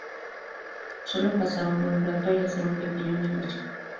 Solo pasar un buen rato y hacer un pequeño negocio.